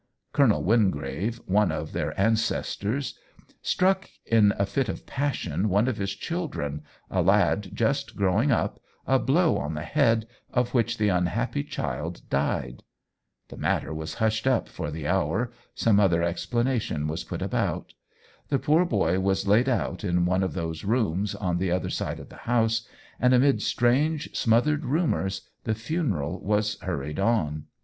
Colonel Wingrave, one of their ancestors, struck in a fit of passion one of his children, a lad just growing up, a blow on the head, of which the unhappy child died. The matter was hushed up for the hour — some other explanation was put about. The poor boy was laid out in one of those rooms on the other side of the house, and amid strange, smothered rumors the funeral was hurried on.